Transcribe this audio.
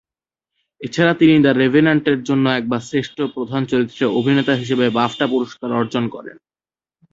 এছাড়া তিনি "দ্য রেভেন্যান্ট"-এর জন্য একবার শ্রেষ্ঠ প্রধান চরিত্রে অভিনেতা বিভাগে বাফটা পুরস্কার অর্জন করেন।